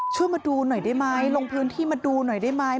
ช่วยมาดูหน่อยได้ไหมลงพื้นที่มาดูหน่อยได้ไหม